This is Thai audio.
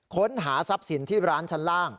ค้นหาทรัพย์สินที่ร้านชั้นล่าง